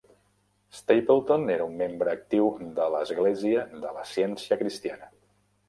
Stapleton era un membre actiu de l'església de la Ciència Cristiana.